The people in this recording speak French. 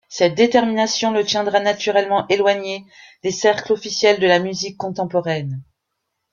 Cette détermination le tiendra naturellement éloigné des cercles officiels de la musique contemporaine.